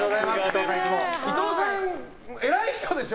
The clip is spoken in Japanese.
伊藤さん、偉い人でしょ？